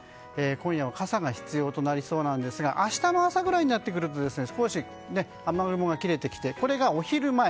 今夜も傘が必要となりそうですが明日の朝ぐらいになると少し雨雲が切れてきてこれがお昼前。